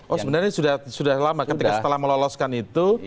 oh sebenarnya sudah lama ketika setelah meloloskan itu